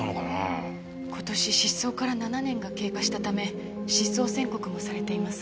今年失踪から７年が経過したため失踪宣告もされています。